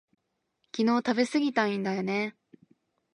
昨日食べすぎたんだよね